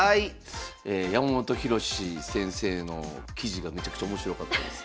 山本博志先生の記事がめちゃくちゃ面白かったです。